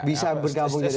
bisa bergabung jadi satu